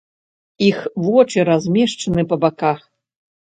Іх вочы размешчаны па баках.